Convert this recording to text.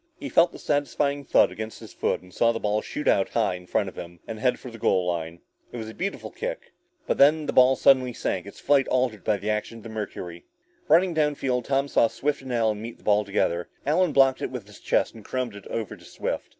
He felt the satisfying thud against his foot, and saw the ball shoot out high in front of him and head for the goal line. It was a beautiful kick. But then, the ball suddenly sank, its flight altered by the action of the mercury. Running down field, Tom saw Swift and Allen meet the ball together. Allen blocked it with his chest and caromed it over to Swift.